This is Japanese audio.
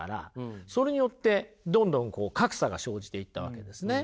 それによってどんどんこう格差が生じていったわけですね。